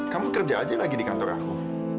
kamu kerja aja lagi di kantor aku